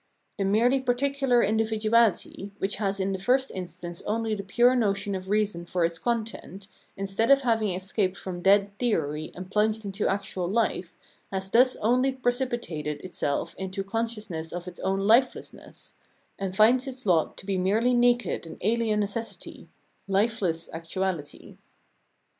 The merely VOL. I.— 2 A 354 Phenomenology of Mind particular individuality, which has ia the first instance only the pure notion of reason for its content, instead of having escaped from dead theory and plunged into actual life, has thus only precipitated itself into con sciousness of its own lifelessness, and finds its lot to be merely naked and alien necessity, lifeless actuahty.